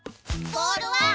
ボールは！？